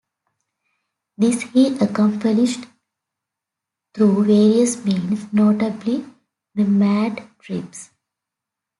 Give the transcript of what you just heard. This he accomplished through various means, notably the "Mad" trips.